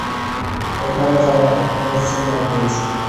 ওখানে যাবার পর ফোনের সিগন্যাল পেয়েছি।